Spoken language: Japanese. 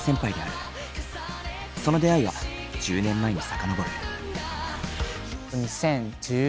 その出会いは１０年前に遡る。